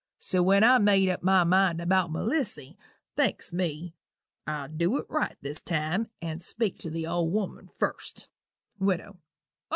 So when I made up my mind about Melissy, thinks me, I'll dew it right this time and speak to the old woman first " WIDOW.